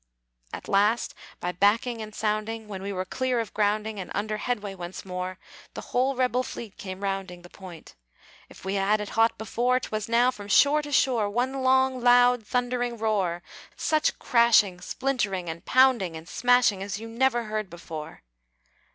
At last, by backing and sounding, When we were clear of grounding, And under headway once more, The whole rebel fleet came rounding The point. If we had it hot before, 'Twas now from shore to shore, One long, loud, thundering roar, Such crashing, splintering, and pounding, And smashing as you never heard before!